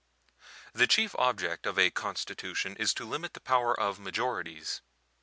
The chief object of a constitution is to limit the power of majorities.